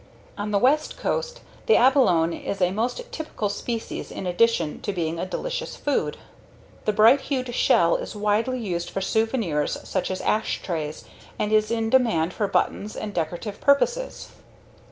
On the West Coast, the abalone is a most typical species in addition to being a delicious food. The bright hued shell is widely used for souvenirs such as ash trays and is in demand for buttons and decorative purposes.